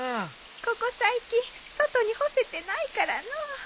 ここ最近外に干せてないからのう。